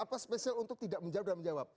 apa spesial untuk tidak menjawab dan menjawab